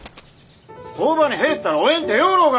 工場に入ったらおえんて言よろうが！